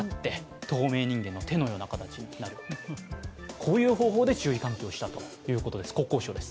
こういう方法で注意喚起をしたということです、国交省です。